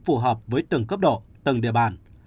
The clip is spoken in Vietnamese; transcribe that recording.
phù hợp với từng cấp độ từng địa bản